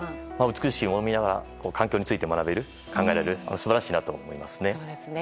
美しいものを見ながら環境について学べる、考えられる素晴らしいなと思いますね。